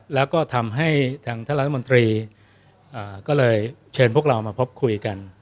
แล้วก็ทำให้ทหลตามมนตรีเชิญพวกเรามาพบคุยกัน